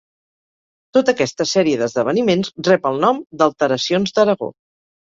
Tota aquesta sèrie d'esdeveniments rep el nom d'Alteracions d'Aragó.